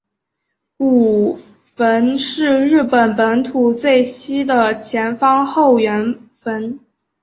古坟是日本本土最西的前方后圆坟。